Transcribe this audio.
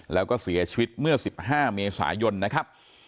แล้วก็เสียชีวิตเมื่อ๑๕เมษายนนะครับ